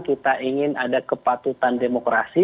kita ingin ada kepatutan demokrasi